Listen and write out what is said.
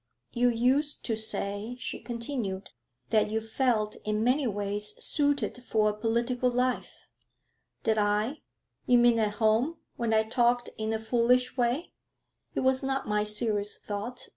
'You used to say,' she continued, 'that you felt in many ways suited for a political life.' 'Did I? You mean at home, when I talked in a foolish way. It was not my serious thought.